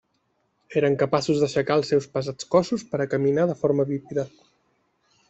Eren capaços d'aixecar els seus pesats cossos per a caminar de forma bípeda.